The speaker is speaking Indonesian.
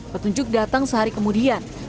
petunjuk datang sehari kemudian